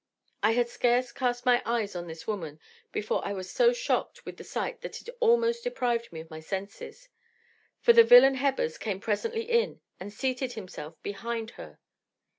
I had scarce cast my eyes on this woman before I was so shocked with the sight that it almost deprived me of my senses; for the villain Hebbers came presently in and seated himself behind her.